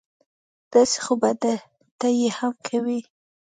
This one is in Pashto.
داسې خو به ته یې هم کوې